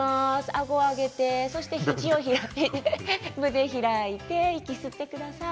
あごを上げて肘を開いて胸を開いて息を吸ってください。